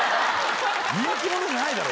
人気者じゃないだろ！